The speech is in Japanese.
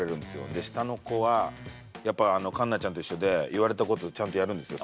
下の子はやっぱりかんなちゃんと一緒で言われたことちゃんとやるんですよ。